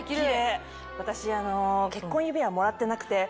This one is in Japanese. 私結婚指輪もらってなくて。